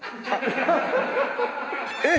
えっ！